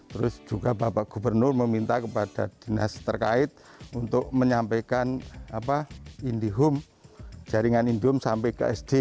terus juga bapak gubernur meminta kepada dinas terkait untuk menyampaikan indihoom jaringan indum sampai ke sd